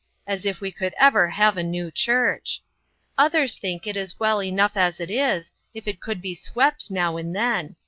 As if we could ever have a new church ! Others think it is well enough as it is, if it could be swept now and then.